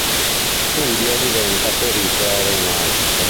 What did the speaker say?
Studia e diventa perito aeronautico.